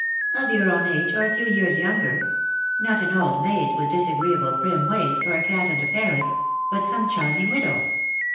" Of your own age, or a few years younger. Not an old maid, with disagreeable prim ways, or a cat and a parrot : but some charming widow.